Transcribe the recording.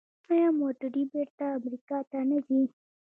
آیا موټرې بیرته امریکا ته نه ځي؟